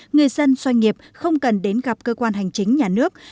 người dân doanh nghiệp không cần đến gặp cơ quan hành chính nhà nước